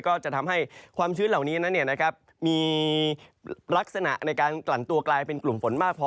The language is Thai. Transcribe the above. ก็จะทำให้ความชื้นเหล่านี้นั้นมีลักษณะในการกลั่นตัวกลายเป็นกลุ่มฝนมากพอ